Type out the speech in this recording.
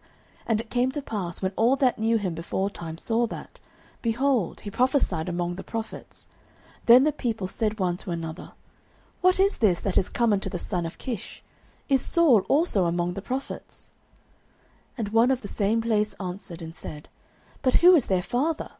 09:010:011 And it came to pass, when all that knew him beforetime saw that, behold, he prophesied among the prophets, then the people said one to another, What is this that is come unto the son of Kish? Is Saul also among the prophets? 09:010:012 And one of the same place answered and said, But who is their father?